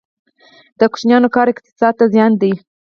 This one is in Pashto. د ماشومانو کار اقتصاد ته زیان دی؟